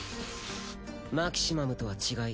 マキシマムとは違い